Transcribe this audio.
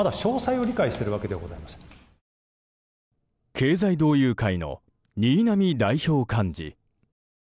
経済同友会の新浪代表幹事。